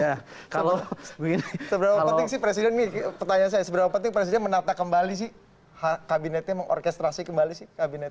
kalau begini seberapa penting sih presiden nih pertanyaan saya seberapa penting presiden menata kembali sih kabinetnya mengorkestrasi kembali sih kabinet